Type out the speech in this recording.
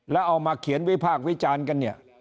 แล้วเอามาเขียนวิภาควิจารณ์กัน